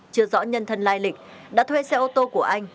chưa rõ nhân thân lai lịch đã thuê xe ô tô của anh